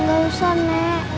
gak usah nek